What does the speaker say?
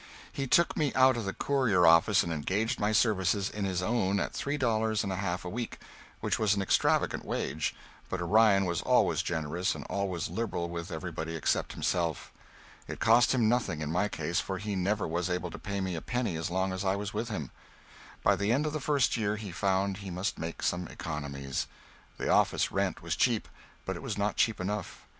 He took me out of the "Courier" office and engaged my services in his own at three dollars and a half a week, which was an extravagant wage, but Orion was always generous, always liberal with everybody except himself. It cost him nothing in my case, for he never was able to pay me a penny as long as I was with him. By the end of the first year he found he must make some economies. The office rent was cheap, but it was not cheap enough.